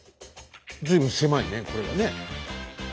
随分狭いねこれはね。